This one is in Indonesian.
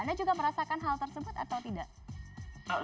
anda juga merasakan hal tersebut atau tidak